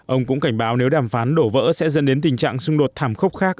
ông cũng cảnh báo nếu đàm phán đổ vỡ sẽ dẫn đến tình trạng xung đột thảm khốc khác